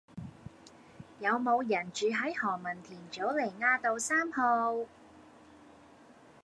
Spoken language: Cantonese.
有無人住喺何文田棗梨雅道三號